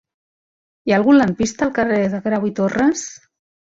Hi ha algun lampista al carrer de Grau i Torras?